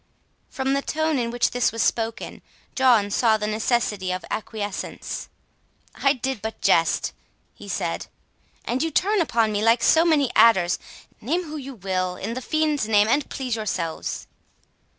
From the tone in which this was spoken, John saw the necessity of acquiescence. "I did but jest," he said; "and you turn upon me like so many adders! Name whom you will, in the fiend's name, and please yourselves."